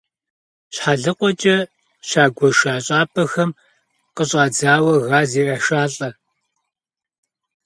Щхьэлыкъуэкӏэ щагуэша щӏапӏэхэм къыщӏадзауэ газ ирашалӏэ.